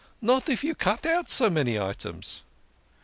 " Not if you cut out so many items."